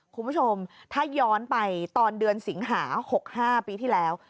คุณผู้ชมถ้าย้อนไปตอนเดือนสิงหา๖๕ปีที่แล้ว